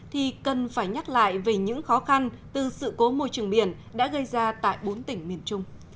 thì cần phải nhắc lại về những khó khăn từ sự cố môi trường biển đã gây ra tại bốn tỉnh miền trung